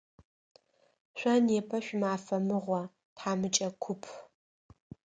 Шъо непэ шъуимафэ мыгъо, тхьамыкӏэ куп!